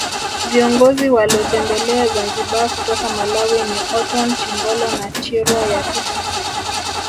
Viongozi walotembelea Zanzibar kutoka Malawi ni Orton Chingolo na Chirwa Yatuta